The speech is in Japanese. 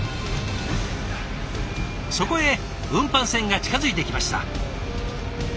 そこへ運搬船が近づいてきました。